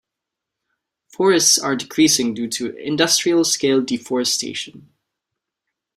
Forests are decreasing due to industrial scale deforestation.